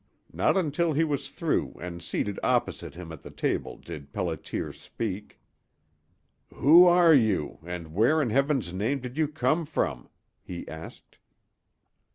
Not until he was through and seated opposite him at the table did Pelliter speak. "Who are you, and where in Heaven's name did you come from?" he asked.